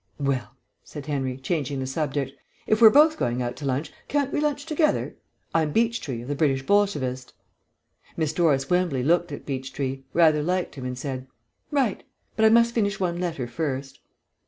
"Well," said Henry, changing the subject, "if we're both going out to lunch, can't we lunch together? I'm Beechtree, of the British Bolshevist." Miss Doris Wembley looked at Beechtree, rather liked him, and said, "Right. But I must finish one letter first."